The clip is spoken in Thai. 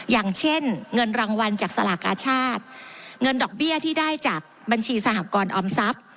อย่างเช่นเงินรางวัลจากสลากกาชาติเงินดอกเบี้ยที่ได้จากบัญชีสหกรออมทรัพย์